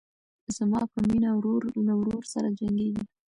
زما په مینه ورور له ورور سره جنګیږي